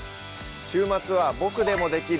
週末は「ボクでもできる！